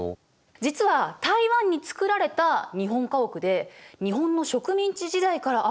実は台湾に造られた日本家屋で日本の植民地時代からあるものなの。